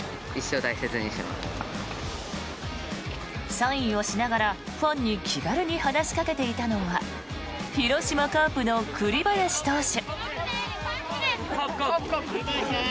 サインをしながらファンに気軽に話しかけていたのは広島カープの栗林投手。